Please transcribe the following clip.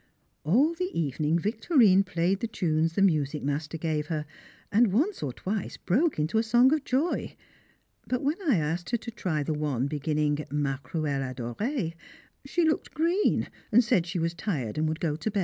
All the evening Victorine played the tunes the music master gave her, and once or twice broke into a song of joy; but when I asked her to try the one beginning "Ma cruelle adorée," she looked green, and said she was tired, and would go to bed.